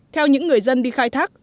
theo những người dân đi khai thác